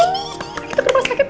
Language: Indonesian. kita ke rumah sakit